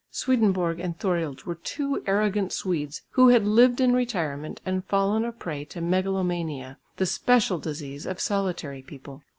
Swedenborg and Thorild were two arrogant Swedes who had lived in retirement and fallen a prey to megalomania, the special disease of solitary people.